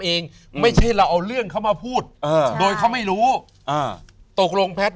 เองไม่ใช่เราเอาเรื่องเขามาพูดอ่าโดยเขาไม่รู้อ่าตกลงแพทย์